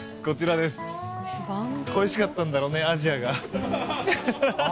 恋しかったんだろうねアジアがハハハハ！